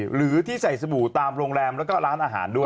หรือที่ใส่สบู่ตามโรงแรมแล้วก็ร้านอาหารด้วย